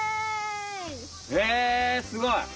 えすごい！